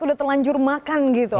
sudah telanjur makan gitu